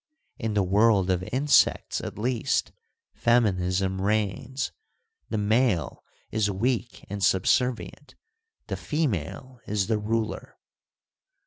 In the world of insects, at least, feminism reigns ; the male is weak and subservient, the female is the ruler.